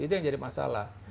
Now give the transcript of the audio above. itu yang jadi masalah